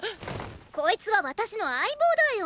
こいつは私の相棒だよ。